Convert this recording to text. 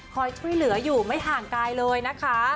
ช่วยเหลืออยู่ไม่ห่างกายเลยนะคะ